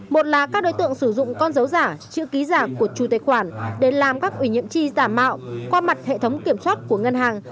một là các đối tượng sử dụng con dấu giả chữ ký giả của chủ tài khoản để làm các ủy nhiệm chi giả mạo qua mặt hệ thống kiểm soát của ngân hàng